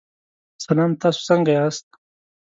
سلام، تاسو څنګه یاست؟